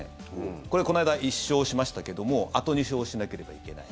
これ、こないだ１勝しましたけどあと２勝しなければいけない。